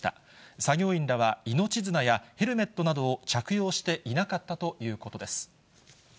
作業員らは命綱やヘルメットなどを着用していなかったということです。